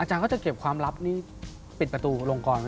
อาจารย์ก็จะเก็บความลับปิดประตูลงก่อนไหม